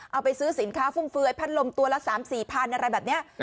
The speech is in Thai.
เอาไปซื้อสินค้าฟุ่มเฟือยพัดลมตัวละ๓๔พันอะไรแบบนี้